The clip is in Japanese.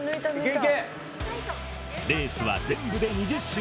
レースは全部で２０周。